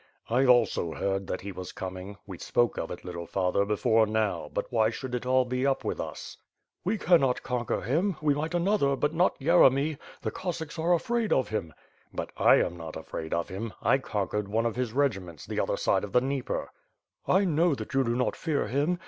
^' "I also heard that he was coming. We spoke of it, little father, before now; but why should it be all up with us.*' "We cannot conquer him, we might another, but not Yere my. The Cossacks are afraid of him/* 470 ^^^B FIRE AND SWORD. "But I am not afraid of him — I conquered one of his regi ments, the other side of the Dnieper/^ ''1 know that you do not fear him.